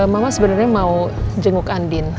mama sebenarnya mau jenguk andin